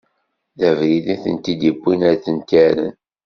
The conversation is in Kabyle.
D abrid i tent-id-iwwin ara tent-irren.